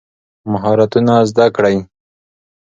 مهارتونه زده کړئ.